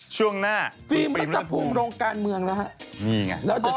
ช่วงหน้าฟิล์มรัฐภูมิโรงการเมืองแล้วฮะ